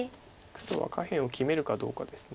黒は下辺を決めるかどうかです。